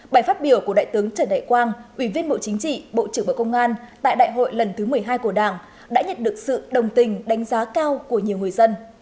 bài phát biểu của đại tướng trần đại quang ủy viên bộ chính trị bộ trưởng bộ công an tại đại hội lần thứ một mươi hai của đảng đã nhận được sự đồng tình đánh giá cao của nhiều người dân